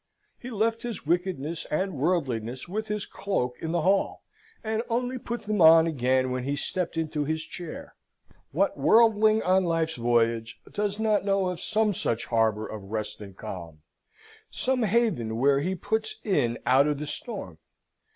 He left his wickedness and worldliness with his cloak in the hall, and only put them on again when he stepped into his chair. What worldling on life's voyage does not know of some such harbour of rest and calm, some haven where he puts in out of the storm?